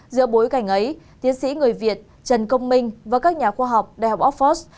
giữa bối cảnh ấy tiến sĩ người việt trần công minh và các nhà khoa học đại học oxford